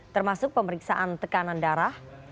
termasuk pemeriksaan tekanan darah